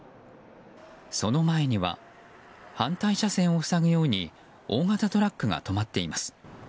その前には反対車線を塞ぐように大型トラックが止まっています。